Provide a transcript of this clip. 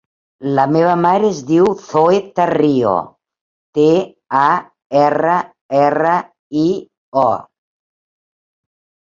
La meva mare es diu Zoè Tarrio: te, a, erra, erra, i, o.